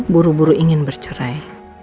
buru buru ingin bercerai